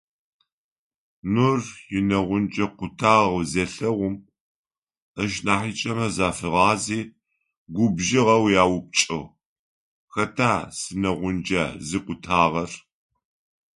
Нур инэгъунджэ къутагъэу зелъэгъум, ышнахьыкӀэмэ зафигъази губжыгъэу яупчӀыгъ: «Хэта синэгъунджэ зыкъутагъэр?».